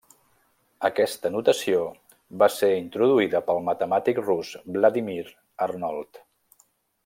Aquesta notació va ser introduïda pel matemàtic rus Vladímir Arnold.